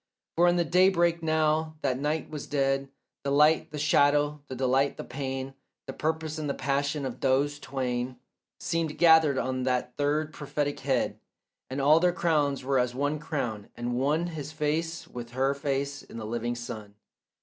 For in the daybreak now that night was dead The light, the shadow, the delight, the pain, The purpose and the passion of those twain, Seemed gathered on that third prophetic head, And all their crowns were as one crown, and one His face with her face in the living sun.